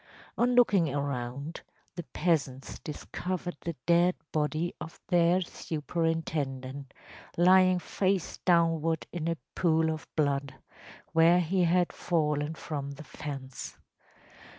On looking around, the peasants discovered the dead body of their superintendent lying face downward in a pool of blood, where he had fallen from the fence.